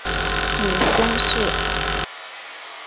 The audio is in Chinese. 母宣氏。